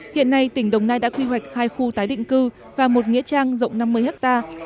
hiện nay tỉnh đồng nai đã quy hoạch hai khu tái định cư và một nghĩa trang rộng năm mươi hectare